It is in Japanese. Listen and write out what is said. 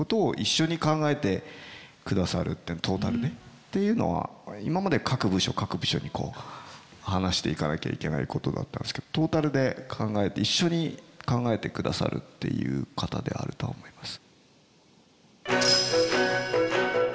っていうのは今まで各部署各部署にこう話していかなきゃいけないことだったんですけどトータルで一緒に考えてくださるっていう方ではあると思います。